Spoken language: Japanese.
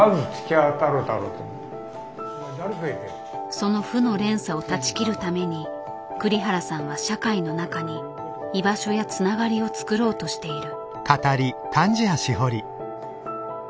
その負の連鎖を断ち切るために栗原さんは社会の中に居場所やつながりをつくろうとしている。